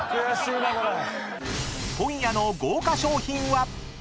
［今夜の豪華賞品は⁉］